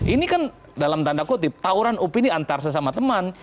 ini kan dalam tanda kutip tawuran opini antar sesama teman